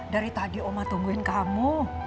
dari tadi oma tungguin kamu